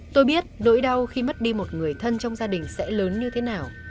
tôi biết nỗi đau khi mất đi một người thân trong gia đình sẽ lớn như thế nào